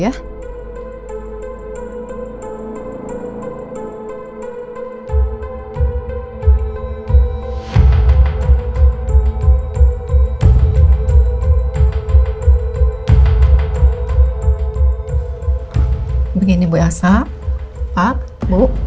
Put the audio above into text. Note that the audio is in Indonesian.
kali gini bu elsa pak bu